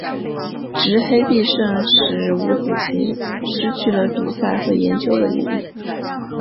执黑必胜使五子棋失去了比赛和研究的意义。